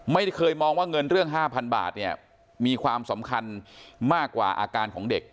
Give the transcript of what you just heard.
ไม่เคยมองว่าเงินเรื่อง๕๐๐บาทเนี่ยมีความสำคัญมากกว่าอาการของเด็ก